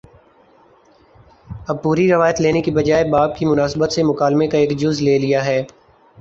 اور پوری روایت لینے کے بجائے باب کی مناسبت سے مکالمے کا ایک جز لے لیا ہے